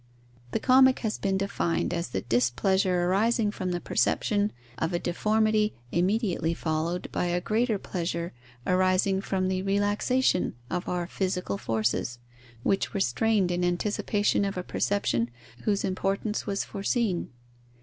The comic has been defined as the displeasure arising from the perception of a deformity immediately followed by a greater pleasure arising from the relaxation of our psychical forces, which were strained in anticipation of a perception whose importance was foreseen.